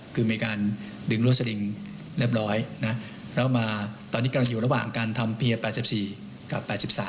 คือมีการดึงรวดสลิงเรียบร้อยนะแล้วมาตอนนี้กำลังอยู่ระหว่างการทำเพียร์๘๔กับ๘๓